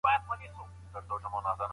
ټولنپوهان د انسان انګېزې څېړي.